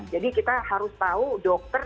jadi kita harus tahu dokter